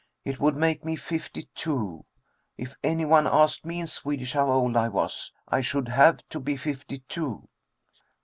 It would make me fifty two. If any one asked me in Swedish how old I was, I should have to be fifty two!"